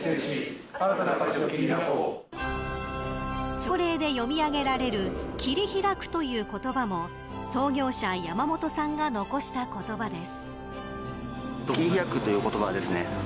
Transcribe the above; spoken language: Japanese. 朝礼で読み上げられる切拓くという言葉も創業者、山本さんが遺した言葉です。